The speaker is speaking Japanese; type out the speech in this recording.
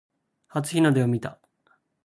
初日の出を見た